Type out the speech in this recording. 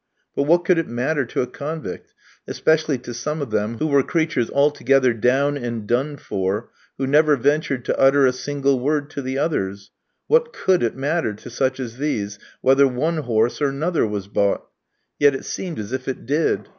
But what could it matter to a convict, especially to some of them, who were creatures altogether down and done for, who never ventured to utter a single word to the others? What could it matter to such as these, whether one horse or another was bought? Yet it seemed as if it did.